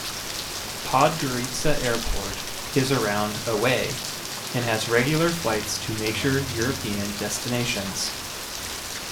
Podgorica Airport is around away, and has regular flights to major European destinations.